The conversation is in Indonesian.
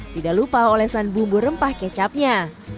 tidak lupa olesan bumbu rempah kecapnya